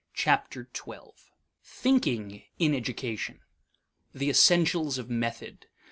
Chapter Twelve: Thinking in Education 1. The Essentials of Method.